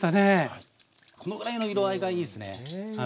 はいこのぐらいの色合いがいいっすね。